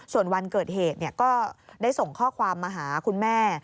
ส่วนวันเกิดเหตุก็ได้ส่งข้อความมาหาคุณแม่